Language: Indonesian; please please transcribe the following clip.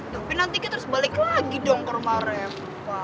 tapi nantinya terus balik lagi dong ke rumah reva